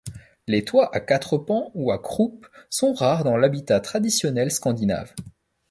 Les toits à quatre pans ou à croupe sont rares dans l’habitat traditionnel scandinave.